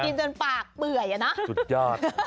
กินจนปากเปื่อยนะ